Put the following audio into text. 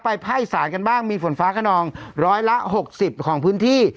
ไปไภ้สานกันบ้างมีฝนฟ้าขนองร้อยละหกสิบของพื้นที่